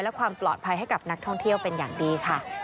และความปลอดภัยให้กับนักท่องเที่ยวเป็นอย่างดีค่ะ